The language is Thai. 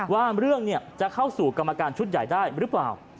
ว่าเรื่องจะเข้าสู่กรรมการชุดใหญ่ได้หรือเปล่า